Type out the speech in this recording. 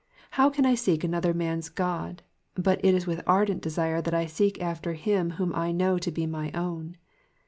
How can I seek another man^s God? but it is with ardent desire that I seek after him whom I know to be my own.